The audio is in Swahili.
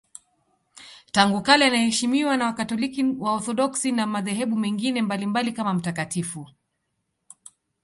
Tangu kale anaheshimiwa na Wakatoliki, Waorthodoksi na madhehebu mengine mbalimbali kama mtakatifu.